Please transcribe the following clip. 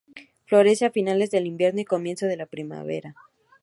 Florece a finales del Invierno y comienzos de la Primavera.